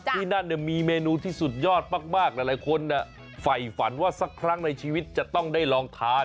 ที่นั่นมีเมนูที่สุดยอดมากหลายคนฝ่ายฝันว่าสักครั้งในชีวิตจะต้องได้ลองทาน